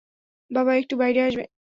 বাবা, একটু বাইরে আসবে?